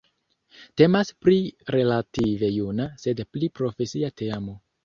Temas pri relative juna, sed pli profesia teamo.